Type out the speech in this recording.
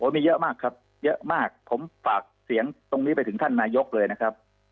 มีเยอะมากครับเยอะมากผมฝากเสียงตรงนี้ไปถึงท่านนายกเลยนะครับ